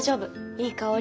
いい香り。